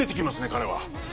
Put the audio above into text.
彼は。